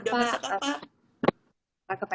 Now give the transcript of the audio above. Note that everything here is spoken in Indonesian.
udah masak apa